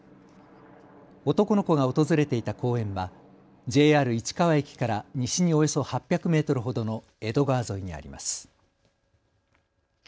男の子が訪れていた公園はＪＲ市川駅から西におよそ８００メートルほどの江戸川沿いにあります。